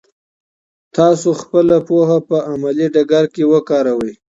تاسو خپله پوهه په عملي ډګر کې وکاروئ.